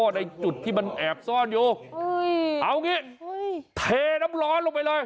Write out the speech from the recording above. ในจุดที่มันแอบซ่อนอยู่เอางี้เทน้ำร้อนลงไปเลย